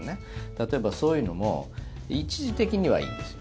例えば、そういうのも一時的にはいいんですよ。